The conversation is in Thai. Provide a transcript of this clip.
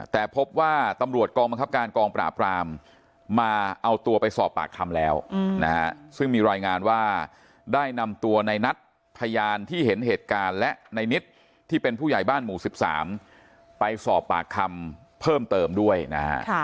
แต่พบว่าตำรวจกองบังคับการกองปราบรามมาเอาตัวไปสอบปากคำแล้วนะฮะซึ่งมีรายงานว่าได้นำตัวในนัทพยานที่เห็นเหตุการณ์และในนิดที่เป็นผู้ใหญ่บ้านหมู่๑๓ไปสอบปากคำเพิ่มเติมด้วยนะฮะ